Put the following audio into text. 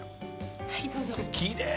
はいどうぞ。